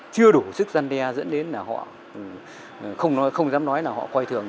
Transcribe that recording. chưa đủ sức dân đe dẫn đến là họ không dám nói là họ quay thường